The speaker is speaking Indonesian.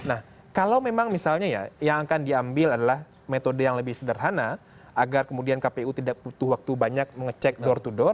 nah kalau memang misalnya ya yang akan diambil adalah metode yang lebih sederhana agar kemudian kpu tidak butuh waktu banyak mengecek door to door